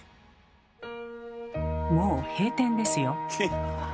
もう閉店ですよ。